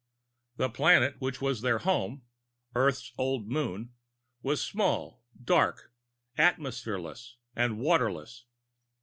The planet which was their home Earth's old Moon was small, dark, atmosphereless and waterless.